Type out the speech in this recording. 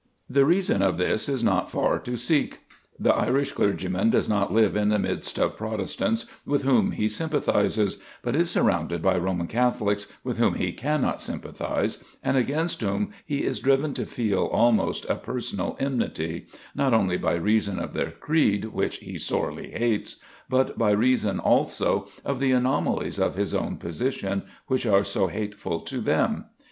The reason of this is not far to seek. The Irish clergyman does not live in the midst of Protestants with whom he sympathizes, but is surrounded by Roman Catholics with whom he cannot sympathize, and against whom he is driven to feel almost a personal enmity, not only by reason of their creed which he sorely hates, but by reason also of the anomalies of his own position which are so hateful to them.